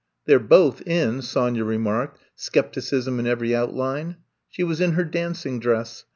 They 're both in,'* Sonya remarked, skepticism in every outline. She was in her dancing dress.